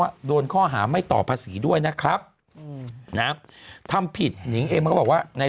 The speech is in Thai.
ว่าโดนข้อหาไม่ต่อภาษีด้วยนะครับทำผิดหนึ่งเอ็มบอกว่าใน